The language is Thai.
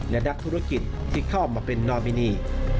และนักธุรกิจที่เข้ามาเป็นนอมินี